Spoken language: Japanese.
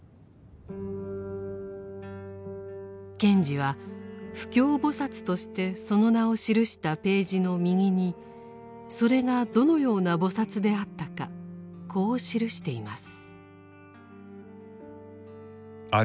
賢治は「不軽菩薩」としてその名を記したページの右にそれがどのような菩薩であったかこう記しています。